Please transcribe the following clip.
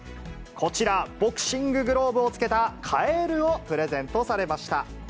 こちら、ボクシンググローブをつけたカエルをプレゼントされました。